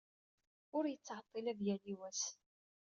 Ur yettɛeḍḍil ad yaley wass.